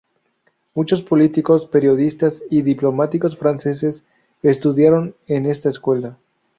Muchos políticos, periodistas y diplomáticos franceses estudiaron en esta escuela.